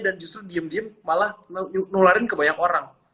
dan justru diem diem malah nularin ke banyak orang